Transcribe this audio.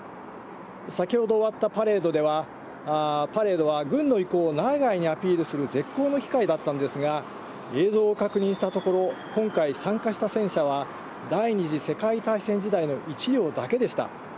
先ほど終わったパレードは、軍の意向を内外にアピールする絶好の機会だったんですが、映像を確認したところ、今回、参加した戦車は第２次世界大戦時代の１両だけでした。